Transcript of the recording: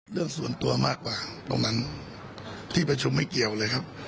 เรื่องส่วนตัวมากกว่าตรงนั้นที่ประชุมไม่เกี่ยวเลยครับ